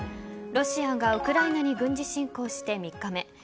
ロシアがウクライナに軍事侵攻して３日目。